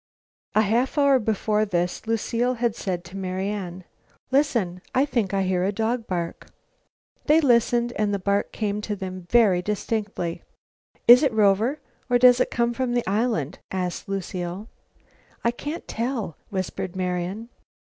A half hour before this Lucile had said to Marian: "Listen, I think I hear a dog bark." They listened and the bark came to them very distinctly. "Is it Rover, or does it come from the island?" asked Lucile. "I can't tell," whispered Marian.